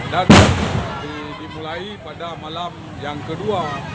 dan dimulai pada malam yang kedua